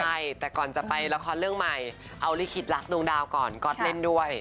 ใช่แต่ก่อนจะไปละครเรื่องใหม่เอาลิขิตรักดวงดาวก่อนก๊อตเล่นด้วย